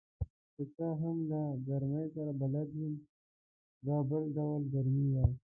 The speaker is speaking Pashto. که څه هم له ګرمۍ سره بلد یم، دا بل ډول ګرمي وه.